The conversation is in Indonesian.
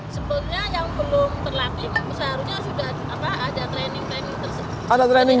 sebenarnya yang belum terlatih seharusnya sudah ada training training